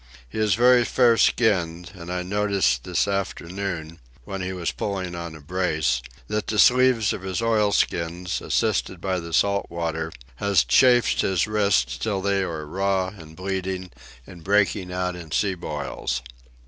He is very fair skinned, and I noticed this afternoon, when he was pulling on a brace, that the sleeves of his oil skins, assisted by the salt water, have chafed his wrists till they are raw and bleeding and breaking out in sea boils.